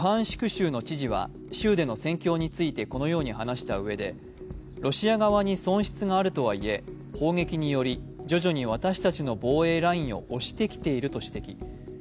州の知事は、州での戦況についてこのように話したうえでロシア側に損失があるとはいえ、砲撃により徐々に私たちの防衛ラインを押してきていると指摘。